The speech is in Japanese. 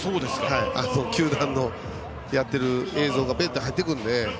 球団のやってる映像が入ってくるので。